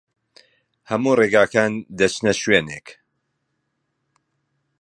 هەموو ڕێگاکان دەچنە شوێنێک.